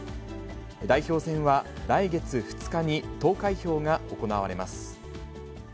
代表選は来月２日に投開票が行われます。